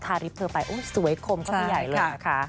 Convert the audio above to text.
ทาลิฟเธอไปโอ้ยสวยคมเขาใหญ่เลยนะคะ